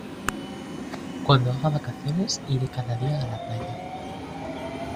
Cuando haga vacaciones iré cada día a la playa.